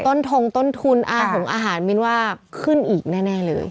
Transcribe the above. ทงต้นทุนอาหารมินว่าขึ้นอีกแน่เลย